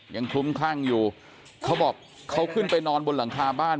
คลุ้มคลั่งอยู่เขาบอกเขาขึ้นไปนอนบนหลังคาบ้าน